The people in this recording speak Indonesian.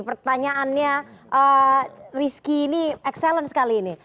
pertanyaannya rizky ini excellent sekali ini